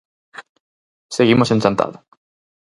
Seguimos en Chantada.